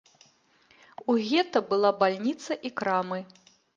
У гета была бальніца і крамы.